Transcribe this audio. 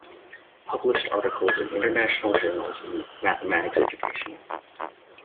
Published articles in international journals in mathematics education.